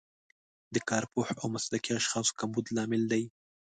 د کارپوه او مسلکي اشخاصو کمبود لامل دی.